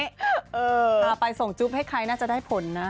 พาไปส่งจุ๊บให้ใครน่าจะได้ผลนะ